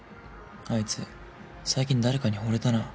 あいつ最近誰かにほれたな。